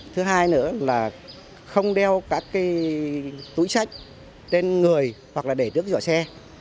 thứ hai nữa là không đeo các túi sách trên người hoặc để trước dõi xe